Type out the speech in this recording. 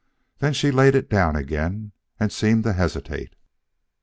Then she laid it down again and seemed to hesitate.